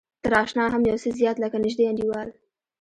تر اشنا هم يو څه زيات لکه نژدې انډيوال.